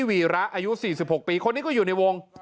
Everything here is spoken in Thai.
วีระอายุ๔๖ปีคนนี้ก็อยู่ในวง